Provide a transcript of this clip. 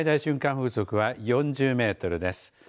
風速は４０メートルです。